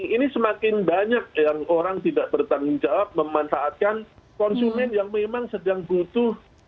ini semakin banyak yang orang tidak bertanggung jawab memanfaatkan konsumen yang memang sedang butuh